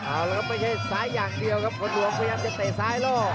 เอาละครับไม่ใช่ซ้ายอย่างเดียวครับคนหลวงพยายามจะเตะซ้ายล่อ